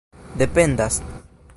dependas